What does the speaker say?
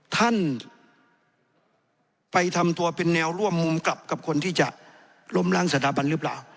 ท่านไปทำตัวเป็นแนวร่วมมุมกลับกับคนที่จะล้มล้างสถาบันหรือเปล่า